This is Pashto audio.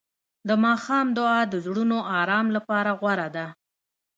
د ماښام دعا د زړونو آرام لپاره غوره ده.